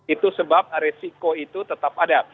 itu sebab resiko itu tetap ada